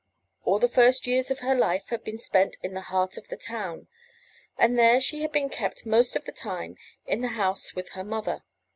All the first years of her life had been spent in the heart of the town, and there she had been kept most of the time in the house with her mother.